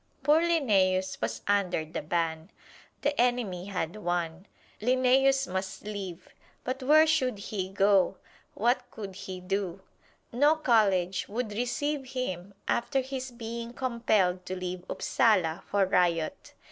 Poor Linnæus was under the ban. The enemy had won: Linnæus must leave. But where should he go what could he do? No college would receive him after his being compelled to leave Upsala for riot.